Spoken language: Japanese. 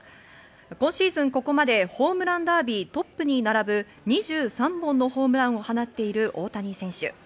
今シーズン、ここまでホームランダービー、トップに並ぶ２３本のホームランを放っている大谷選手。